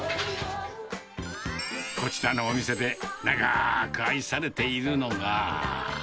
こちらのお店で長く愛されているのが。